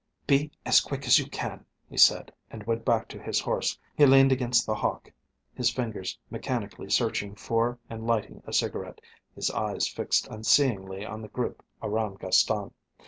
"Be as quick as you can," he said, and went back to his horse. He leaned against The Hawk, his fingers mechanically searching for and lighting a cigarette, his eyes fixed unseeingly on the group around Gaston.